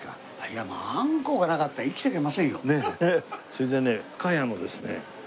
それでね深谷のですね